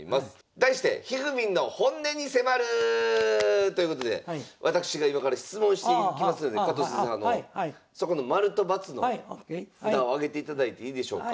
題してということで私が今から質問していきますので加藤先生そこの○と×の札を上げていただいていいでしょうか。